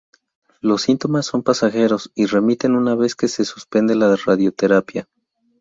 Los síntomas son pasajeros y remiten una vez que se suspende la radioterapia.